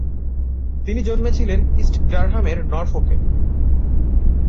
তিনি জন্মে ছিলেন ইষ্ট ডারহাম এর নরফোক এ।